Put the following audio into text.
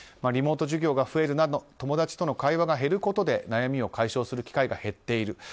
リモート授業が増えるなど友達との会話が減ることで悩みを解消する時間が減っている。